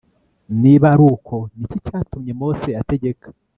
niba ari uko, ni iki cyatumye mose ategeka